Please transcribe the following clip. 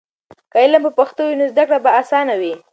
که علم په پښتو وي نو زده کړه به آسانه وي.